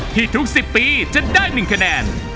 ทุก๑๐ปีจะได้๑คะแนน